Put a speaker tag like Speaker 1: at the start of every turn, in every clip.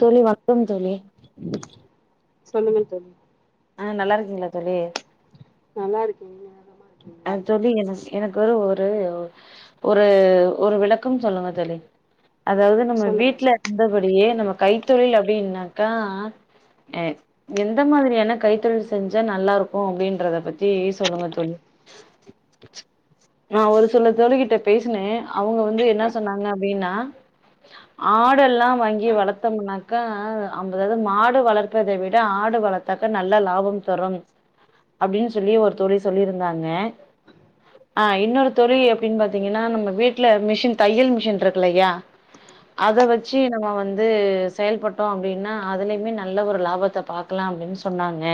Speaker 1: தோழி வணக்கம் தோழி
Speaker 2: சொல்லுங்கள் தோழி
Speaker 1: ஆ நல்லாருக்கீங்ளா தோழி
Speaker 2: நல்லாருக்கே நீங்க [inaudible]
Speaker 1: அ தோழி என எனக்கு ஒரு ஒரு ஒரு விளக்கம் சொல்லுங்க தோழி அதாவது நம்ம
Speaker 2: சொல்லுங்க
Speaker 1: வீட்ல இருந்தபடியே நம்ம கைத்தொழில் அப்டின்னாக்கா எ எந்த மாதிரியான கைத்தொழில் செஞ்சா நல்லாருக்கு அப்டின்றத பத்தி சொல்லுங்க தோழி [inaudible] நா ஒரு சில தோழிகிட்ட பேசுனே அவுங்க வந்து என்ன சொன்னாங்க அப்டின்னா ஆடு எல்லா வாங்கி வளத்தம்னாக்கா அம்ப [unintelligible] மாடு வளர்க்கறத விட ஆடு வள த்தாக்க நல்ல லாபம் தரும் அப்டின் சொல்லி ஒரு தோழி சொல்லிருந்தாங்க ஆ இன்னொரு தொழி எப்டின் பாத்தீங்கன்னா நம்ம வீட்ல மிஷின் தையல் மிஷின் ருக்கில்லையா அத வச்சு நம்ம வந்து செயல்பட்டோ அப்டின்னா அதுலயுமே நல்ல ஒரு லாபத்த பா க்கலாம் அப்டின் சொன்னாங்க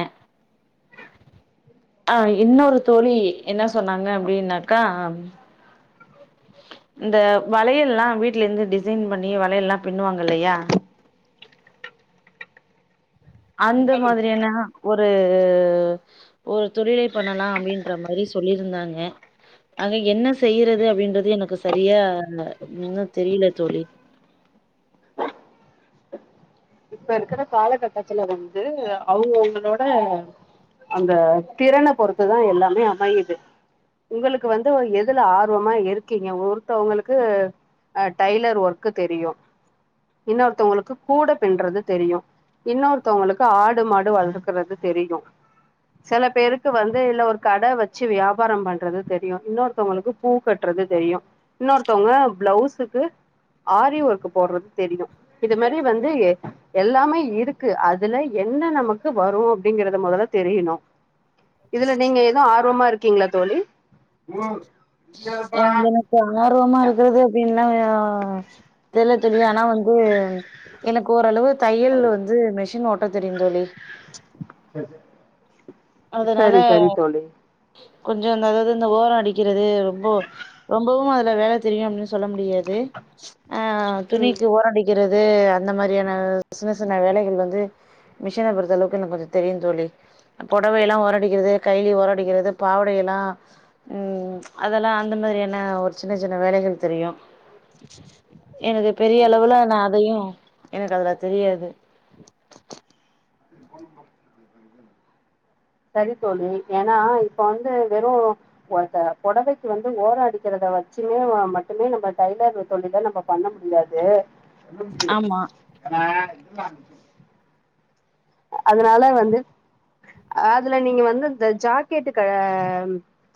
Speaker 1: ஆ இன்னொரு தோழி என்ன சொன்னாங்க அப்டின்னாக்கா இந்த வளையல்லா வீட்ல இருந்து டிசைன் பண்ணி வளையல்லா பின்னுவாங்க இல்லையா அந்த
Speaker 2: சொல்லுங்க.
Speaker 1: மாதிரியன்னா ஒரு ஒரு தொழிலை பண்ணலா அப்டின்ற மாரி சொல்லிருந்தாங்க ஆக என்ன செய்யறது அப்டின்றது எனக்கு சரியா னு இன்னு தெரில தோழி
Speaker 2: இப்ப இருக்கிற காலகட்டத்துல வந்து அவுங்கவுங்களோட அந்த திறன பொறுத்துதா எல்லாமே அமையுது உங்களுக்கு வந்து எதுல ஆர்வமா இருக்கீங்க ஒருத்தவங்களுக்கு டைலர் ஓர்க்கு தெரியும் இன்னொருத்தவங்களுக்கு கூட பிண்றது தெரியும் இன்னொருத்தவங்களுக்கு ஆடு மாடு வளக்குறது தெரியும் செல பேருக்கு வந்து இல்ல ஒரு கடை வச்சு வியாபாரம் பண்றது தெரியும் இன்னொருத்தவங்களுக்கு பூ கட்டுறது தெரியும் இன்னொருத்தவங்க பிளவுசுக்கு ஆரிஓர்க்கு போடுறது தெரியும் இது மாதிரி வந்து எல்லாமே இருக்கு அதுல என்ன நமக்கு வரும் அப்படிங்கிறத மொதல்ல தெரியணும்
Speaker 1: [inaudible]
Speaker 2: இதுல நீங்க எது ஆர்வமா இருக்கீங்கிளா தோழி
Speaker 1: ஆர்வமா இருக்கிறது அப்டின்னு [unintelligible] ஆனா வந்து எனக்கு ஓரளவு தையல் வந்து மிஷின் ஓட்ட தெரியும்தோழி
Speaker 2: [inaudible]
Speaker 1: அதனால
Speaker 2: சரி சரி தோழி
Speaker 1: கொஞ்சோ அந்த அதாவது இந்த ஓர அடிக்கிறது ரொம்ப ரொம்பவு அதுல வேலை தெரியு அப்டின்னு சொல்ல முடியாது ஆ
Speaker 2: ம்
Speaker 1: துணிக்கு ஓரம் அடிக்கிறது இது அந்த மாரியான சின்ன சின்ன வேலைகள் வந்து மிஷினை பொறுத்த அளவுக்கு நமக்கு தெரியும் தோழி பொடவ எல்லா ஓரடிக்கிறது கைலி ஓரடிக்கிறது பாவடை எல்லா ம் அதெல்லா அந்த மாரியான ஒரு சின்ன சின்ன வேலைகள் தெரியும் எனக்கு பெரிய அளவுல
Speaker 2: கண்டிப்பாக
Speaker 1: நா அதயும் எனக்கு அதுல தெரியாது
Speaker 2: [inaudible]
Speaker 1: [inaudible]
Speaker 2: சரி தோழி ஏன்னா இப்ப வந்து வெறும் ஓன்ட்ட பொடவைக்கு வந்து ஓர அடிக்கிறத வச்சுமே மட்டுமே நம்ம டைலர் தொழில நம்ப பண்ண முடியாது
Speaker 1: ஆமா
Speaker 2: [unintelligible] அதனால வந்து அதுல நீங்க வந்து இந்த ஜாக்கெட்டு க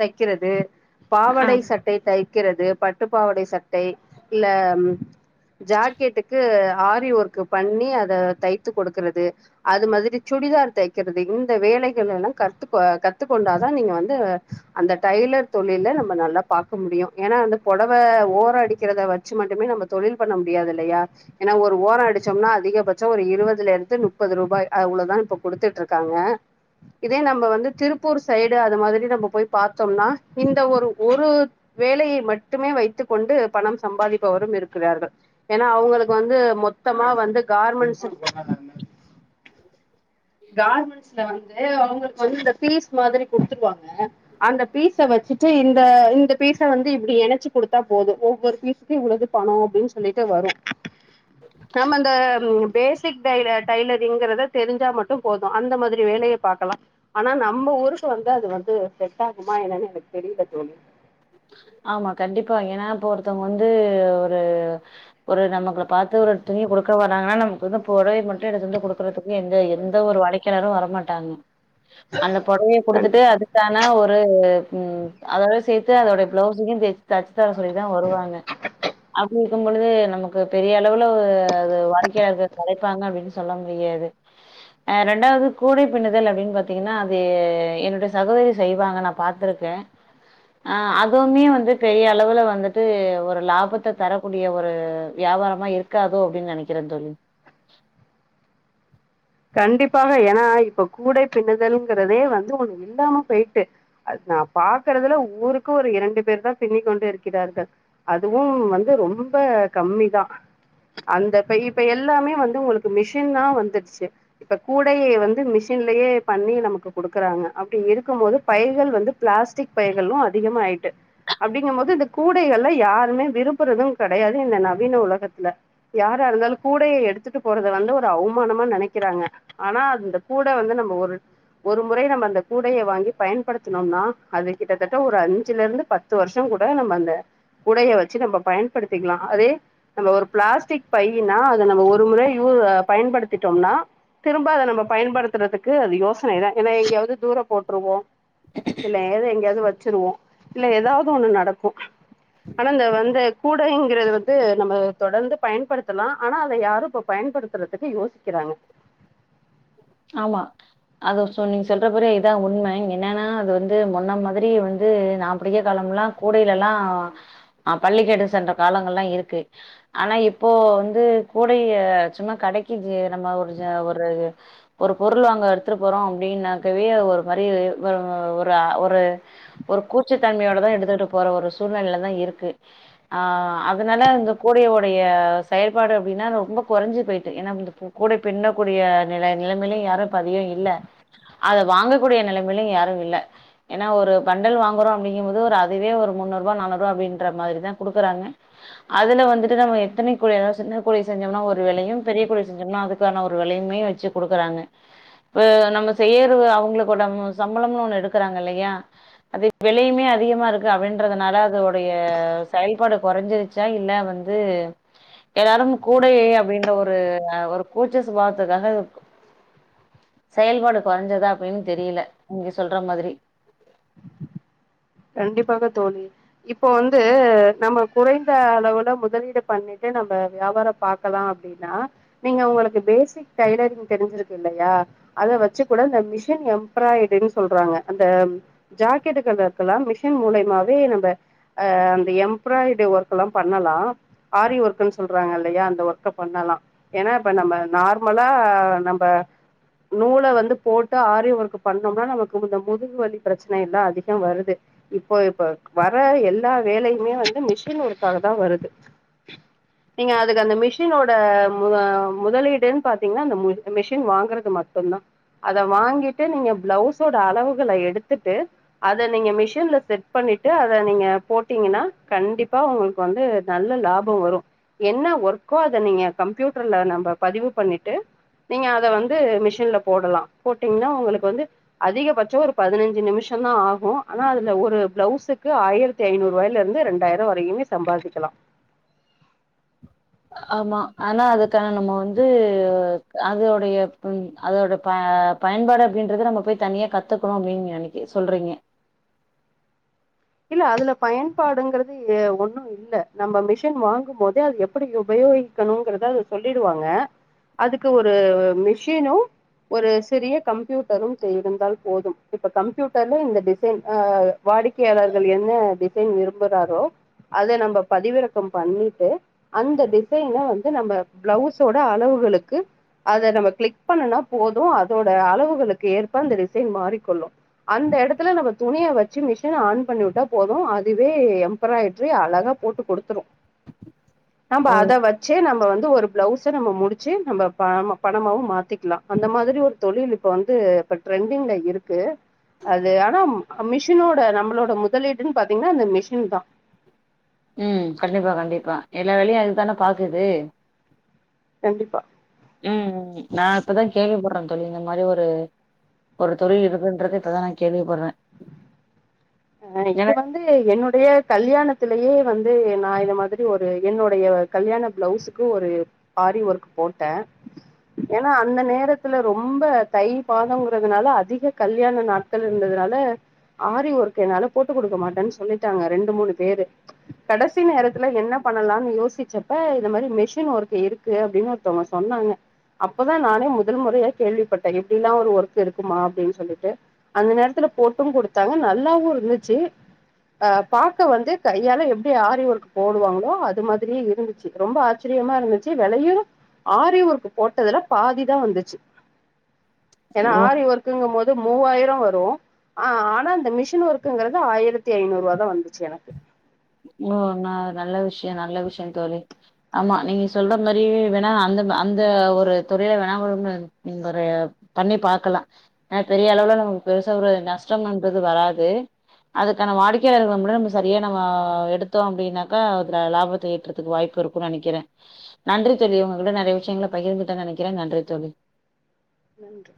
Speaker 2: தைக்கிறது பாவடை
Speaker 1: ஆம்
Speaker 2: சட்டை தைக்கிறது பட்டுப்பாவடை சட்டை இல்ல ஜாக்கெட்டுக்கு ஆரி ஒர்க்கு பண்ணி அத தைத்து கொடுக்குறது அது மாதிரி சுடிதார் தைக்கிறது இந்த வேலைகள் எல்லாம் கத்து கத்துக்கொண்டாதா நீங்க வந்து அந்த டைலர் தொழில நம்ம நல்லா பாக்க முடியும் ஏன்னா வந்த பொடவை ஓரம் அடிக்கிறத வச்சு வச்சு மட்டுமே நம்ம தொழில் பண்ண முடியாது இல்லயா ஏன்னா ஒரு ஓர அடிச்சோம்னா அதிகபட்சம் ஒரு இருவதுல இருந்து முப்பது ரூபாய் அவ்வளதான் இப்ப குடுத்துட்டு இருக்காங்க இதே நம்ம வந்து திருப்பூர் சைடு அது மாதிரி நம்ம போய் பாத்தோம்னா இந்த ஒரு ஒரு வேலையை மட்டுமே வைத்து கொண்டு பணம் சம்பாதிப்பவரும் இருக்கிறார்கள் ஏன்னா அவங்களுக்கு வந்து மொத்தமா வந்து கார்மெண்ட்ஸ் கார்மெண்ட்ஸ்ல வந்து அவங்களுக்கு வந்து இந்த பீஸ் மாதிரி குடுத்துருவாங்க அந்த பீஸை வச்சிட்டு இந்த இந்த பீஸை வந்து இப்படி எணச்சு குடுத்தா போதும் ஒவ்வொரு பீஸ் இவ்ளது பணம் அப்டின்னு சொல்லிட்டு வரும் நம்ம அந்த பேசிக் டைல டைலரிங்கறத தெரிஞ்சா மட்டும் போதும் அந்த மாதிரி வேலைய பாக்கலாம் ஆனா நம்ம ஊருக்கு வந்து அது வந்து செட் ஆகுமா என்னன்னு எனக்கு தெரில தோழி
Speaker 1: ஆமா கண்டிப்பா ஏன்னா இப்வொருத்தவங்க வந்து ஒரு ஒரு நம்மங்கள பாத்து ஒரு துணி கொடுக்க வராங்கன்னா நமக்கு வந்து பொடவை மட்டும் எடுத்து வந்து கொடுக்க எந்த எந்த ஒரு வாடிக்கயாளரு வரமாட்டாங்க அந்த பொடவய குடுத்துட்டு
Speaker 2: கண்டிப்பா
Speaker 1: அது தான ஒரு ம் அதாவது அதோடய பிளவுஸயும் சேத்து தச்சு தர சொல்லி தா வருவாங்க அப்டி இருக்கு பொழுது நமக்கு பெரிய அளவுல அது வாடிக்கையளர்கள் கிடைப்பாங்க அப்டின்னு சொல்ல முடியாது ரெண்டாவது கூடை பின்ணுதல் அப்டின்னு பாத்திங்கன்னா அது என்னுடைய சகோதரி செய்வாங்க நா பாத்துருக்கே ஆ அதுவுமே வந்து பெரிய அளவுல வந்துட்டு ஒரு லாபத்த தரக்கூடிய ஒரு வியாபாரமா இருக் இருக்காதோ அப்டின்னு நெனக்கிறே தோழி
Speaker 2: கண்டிப்பாக ஏன்னா இப்ப கூடை பின்னுதல்ங்கிறதே வந்து ஒண்ணு இல்லாம போயிட்டு அது நா பாக்குறதுல ஊருக்கு ஒரு இரண்டு பேர் தா பின்னி கொண்டு இருக்கிறார்கள் அதுவு வந்து ரொம்ப கம்மி தா அந்தப்ப இப்ப எல்லாமே வந்து உங்களுக்கு மிஷின்னா வந்துடுச்சு இப்ப கூடையை வந்து மிஷின்லயே பண்ணி நமக்கு குடுக்குறாங்க அப்டி இருக்கும் போது பயிர்கள் வந்து பிளாஸ்டிக் பைகளு அதிகமா ஆயிட்டு அப்படிங்கு போது இந்த கூடைகள்ல யாருமே விரும்ப்புறது கிடையாது இந்த நவீன உலகத்துல யாரா இருந்தாலு கூடையை எடுத்துட்டு போறத வந்து ஒரு அவமானமா நினைக் க்கிறாங்க ஆனா அந்த கூட வந்து நம்ம ஒரு ஒரு முறை நம்ம அந்த கூடைய வாங்கி பயன்படுத்தனும்னா அது கிட்டத்தட்ட ஒரு அஞ்சுல இருந்து பத்து பத்து வருஷோ கூட நம்ம அந்த கூடைய வச்சு நம்ம பயன்படுத்திக்கிலா அதே நம்ம ஒரு பிளாஸ்டிக் பையினா அத நம்ம ஒரு முறை யூ பயன்படுத்திட்டோனா திரும்ப அத நம்ம பயன்படுத்துறதுக்கு அது யோசனை தா ஏன்னா எங்கயாவது தூர போட்ற்றுவோ இல்ல ஏதோ எங்கேயாவது வச்சிருவோ இல்ல ஏதாவது ஒண்ணு நடக்கு ஆனந்த வந்த கூடைங்கிறது வந்து நம்ம தொடர்ந்து பயன்படுத்தலா ஆனா அத யாரு இப்ப பயன்படுத்துறதுக்கு யோசிக்கிறாங்க
Speaker 1: ஆமா அது சொன் நீங்க சொல்படி இதுதா உண்ம என்னென்னா அது வந்து முன்ன மாதிரி வந்து நா படிக்க காலம்லா கூடையிலலா ஆ பள்ளிக்கெடுத்து சென்ற காலங்கள் எல்லா இருக்கு ஆனா இப்போ வந்து கூடைய சும்மா கடைக்கு நம்ம ஒரு ஒரு ஒரு பொருள் வாங்க எடுத்துட்டு போறோ அப்படின்னாக்கவே ஒரு மாரி ஒரு ஒரு ஒரு கூச்சத்தன்மையோட தா எடுத்துட்டு போற ஒரு சூழ்நில தா இருக்கு ஆ அதனால இந்த கூடையோடைய செயல்பாடு அப்டின்னா ரொம்ப கொறஞ்சு போயிட்டு ஏன்னா கூட பின்ன கூடிய நில நிலமையிலயு யாருஇப்ப அதிகோ இல்ல அத வாங்கக்கூடிய நிலைமையிலு யாரு இல்ல ஏன்னா ஒரு பண்டல் வாங்குறோ அப்டிங்கும்போது ஒரு அதுவே ஒரு முன்னூறு ரூபா நானூறு ரூபா அப்டின்ற மாரிதா குடுக்குறாங்க அதுல வந்துட்டு நம்ம எத்தனை கூடை அதாவது சின்ன கூடை செஞ்சோம்னா ஒரு விலையு பெரிய கூடை செஞ்சோம்னா அதுக்கு க்கான ஒரு விலையுமே வச்சு கொடுக்குறாங்க ஓ நம்ம செய்யுறது அவங்களுக்கு சம்பளம்னு ஒண்ணு எடுக்குறாங்க இல்லையா அது விலையுமே அதிகமா இருக்கு அப்படின்றதுனால அதோடைய செயல்பாடு குறைஞ்சிருச் சா இல்ல வந்து எல்லாரு கூடேயே அப்டின்ற ஒரு ஒரு கூச்ச சுபாவத்துக்காக செயல்பாடு கொறஞ்சதா அப்டின்னு தெரியல நீங்க சொல்ற மாதிரி
Speaker 2: கண்டிப்பாக தோழி இப்போ வந்து நம்ம குறைந்த அளவுல முதலீடு பண்ணிட்டு நம்ம வியாபாரோ பாக்கலா அப் டினா நீங்க உங்களுக்கு பேசிக் டைலரிங் தெரிஞ்சிருக்கு இல்லையா அத வச்சு கூட இந்த மிஷன் எம்ப்ராய்டுன்னு சொல்றாங்க அந்த ஜாக்கெட்டுக்கு அந்த க்கலா மிஷின் மூலையமாவே நம்ம அ அந்த எம்ப்ராய்டு ஒர்க் எல்லா பண்ணலா ஆரி ஒர்க்குன்னு சொல்றாங்க இல்லையா அந்த ஒர்க்க பண்ணலா ஏன்னா இப்ப நம்ப நார்மலா நம்ப நூல வந்து போட்டு ஆரி ஒர்க் பண்ணோம்னா நமக்கு இந்த முதுகு வலி பிரச்சனை எல்லா அதிகம் வருது இப்போ இப்ப வர எல்லா வேலையுமே வந்து மிஷின் ஒருக்காக தா வருது நீங்க அதுக்கு அந்த மிஷினோட மு முதலீடுன்னு பாத்தீங்கன்னா அந்த மிஷின் வாங்குறது மட்டுந்தா அத வாங்கிட்டு நீங்க பிளவுஸோட அளவுகள எடுத்துட்டு அத நீங்க மிஷின்ல செட் பண்ணிட்டு அத நீங்க போட்டீங்கன்னா கண்டிப்பா உங்ளுக்கு வந்து நல்ல லாபம் வரு என்ன ஒர்க்கோ அத நீங்க கம்யூட்டர்ல நம்ம பதிவு பண்ணிட்டு நீங்க அத வந்து மிஷின்ல போடலா போட்டீங்ன்னா உங்களுக்கு வந்து அதிகபட்சோ ஒரு பதினைஞ்சு நிமிஷந்தா ஆகு ஆனா அதுல ஒரு பிளவுசுக்கு ஆயிரத்தி ஐநூறு ரூபாயில இருந்து ரெண்டாயிரோ வரையுமே சம்பாதிக்கலா
Speaker 1: ஆமா ஆனா அதுக்கான நம்ம வந்து அதோடைய ம் அதோடைய ப பயன்பாடு அப்டின்றது நம்ம போய் தனியா கத்துக்கணு அப்டின்னு நீ நெனைக்கு சொல்றீங்க
Speaker 2: இல்ல அதுல பயன்பாடுங்குறது ஒன்னு இல்ல நம்ம மிஷின் வாங்கும் போதே அது எப்டி உபயோகி க்கனுங்றத அத சொல்லிடுவாங்க அதுக்கு ஒரு மிஷினு ஒரு சிறிய கம்ப்யூட்டரு இருந்தால் போதும் இப்ப கம்ப்யூட்டர்ல இந்த டிசைன் அ வாடிக் யாளர்கள் என்ன டிசைன் விரும்புறாரோ அத நம்ப பதிவிறக்கம் பண்ணிட்டு அந்த டிசைன வந்து நம்ம பிளவுஸோட அளவுகளுக்கு அத நம்ம கிளிக் பண்ணுனா போது அதோட அளவுகளுக்கு ஏற்ப அந்த டிசைன் மாறிக்கொள்ளு அந்த எடத்துல நம்ம துணிய வச்சு மிஷி ன ஆன் பண்ணிவிட்டா போது அதுவே எம்ப்ராய்டரி அழகா போட்டு குடுத்துரு நாம்ப
Speaker 1: ஓ!
Speaker 2: அத வச் சே நம்ம வந்து ஒரு பிளவுஸே நம்ம முடிச்சு நம்ம பண பணமாவு மாத்திக்கலா அந்த மாதிரி ஒரு தொழிலுக் இப்ப வந்து இப்ப ட்ரெண்டிங்ல இருக்கு அது ஆனா மிஷினோ இப்ப நம்ளோட முதலீடு பாத்தீங்கன்னா அந்த மிஷின் தா
Speaker 1: ம் கண்டிப்பா கண்டிப்பா எல்லா வேலையு அதுதான பாக்குது
Speaker 2: கண்டிப்பா
Speaker 1: ம் நா இப்பதா கேள்விப்பற்ற தோழி இந்த மாரி ஒரு ஒரு தொழில் இருக்குன்றதே இப்பதா நா கேள்விப்பற்றே
Speaker 2: அ இது வந்து என்னுடைய கல்யாணத்திலயே வந்து நா இது மாதிரி ஒரு என்னுடைய கல்யாண பிளவுஸ்சுக்கு ஒரு ஆரி ஒர்க் போட்ட ஏன்னா அந்த நேரத்துல ரொம்ப தை மாதங்கிறதுனால அதிக கல்யாண நாட் கள் இன்றதுனால ஆரி ஒர்க் என்னால போட்டு குடுக்க மாட்டன்னு சொல்லிட்டாங்க ரெண்டு மூணு பேரு கடைசி நேரத்துல என்ன பண்ணலாம்னு யோசிச்சப்ப இந்த மாரி மிஷின் ஒர்க் இருக் கு அப்டின்னு ஒருத்தவங்க சொன்னாங்க அப்பதா நானே முதல் முறையா கேள்விப்பட்டே இப்பிடில்லா ஒரு ஒர்க் இருக்குமா அப்டின்னு சொல்லிட்டு அந்த நேரத்துல போட்டும் குடுத்தாங்க நல்லாவு இருந்துச்சி அ பாக்க வந்து கையால எப்டி ஆரி ஓர்க்கு போடுவாங்களோ அது மாதிரியே இருந்து ச்சி ரொம்ப ஆச்சரியமா இருந்துச்சு வெலையும் ஆரி ஒர்க்கு போட்டதுல பாதி தா வந்துச்சி ஏனா
Speaker 1: ஓ
Speaker 2: ஆரி ஒர்க்குங்கும் போது மூவாயிரம் வரு ஆ ஆனா இந்த மிஷின் ஒர்க் குங்கறது ஆயிரத்தி ஐநூறு ரூவா தா வந்துச்சு எனக்கு
Speaker 1: ஓ ன நல்ல விஷய நல்ல விஷய தோழி ஆமா நீங்க சொல்ற மாரி வேணா அந்த அந்த ஒரு துறையில வேணா ம் ஒரு பண்ணி பாக்கலா ஆ பெரிய அளவுல நமுக் பெருசா ஒரு நஷ்டம்ன்றது வராது அதுக்கான வாடிக்கையாளர்கள் மட்டு சரியா நம்ம எடுத்தோ அப்டின்னாக்கா அதுல லாபத்த யீட்றத்துக்கு வாய்ப்பு இருக்கு நனிக்கிறே நன்றி தோலி உங்ககிட்ட நறைய விஷயங்கள பகிர்ந்துட்ட நனைக்கிறே நன்றி தோழி
Speaker 2: நன்றி